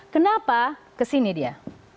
kenapa kesini dia